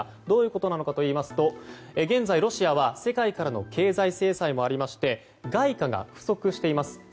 どういうことかといいますと現在、ロシアは世界からの経済制裁もありまして外貨が不足しています。